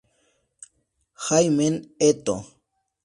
Hajime Eto